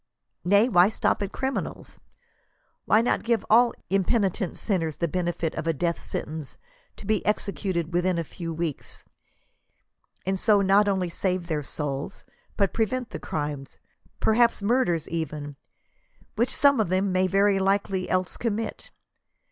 Nayt why stop at criminals 7 Why not give all impenitent sinners the benefit of a death sentence, to '< be executed within a few weeks," and so not only save their souls, but prevent the crimes — ^perhaps murders even — which some of them may very likely else commit